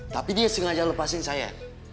tapi dia sengaja lepasin saya